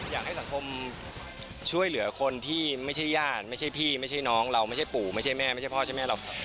อยากให้สังคมช่วยเหลือคนที่ไม่ใช่ญาติไม่ใช่พี่ไม่ใช่น้องเราไม่ใช่ปู่ไม่ใช่แม่ไม่ใช่พ่อใช่แม่เรา